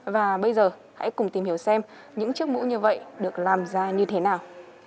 và bây giờ hãy cùng tìm hiểu xem những chiếc mũ như vậy được làm ra như thế nào